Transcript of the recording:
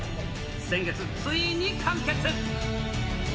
先月、ついに完結。